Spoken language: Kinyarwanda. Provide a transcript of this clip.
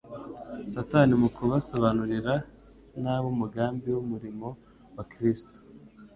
Satani mu kubasobanurira nabi umugambi w'umurimo wa Kristo,